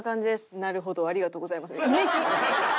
「なるほどありがとうございます」って意味深！